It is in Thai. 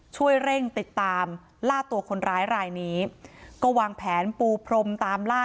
ช่วยเร่งติดตามล่าตัวคนร้ายรายนี้ก็วางแผนปูพรมตามล่า